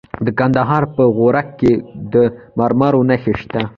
د کندهار په غورک کې د مرمرو نښې شته.